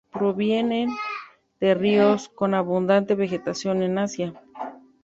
Provienen de ríos con abundante vegetación en Asia.